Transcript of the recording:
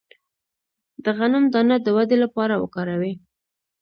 د غنم دانه د ودې لپاره وکاروئ